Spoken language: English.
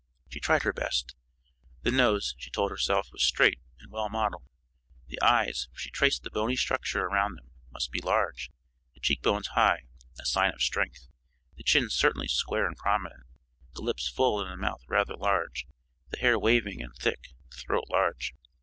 She tried her best. The nose, she told herself, was straight and well modeled. The eyes, for she traced the bony structure around them, must be large; the cheek bones high, a sign of strength; the chin certainly square and prominent; the lips full and the mouth rather large; the hair waving and thick; the throat large.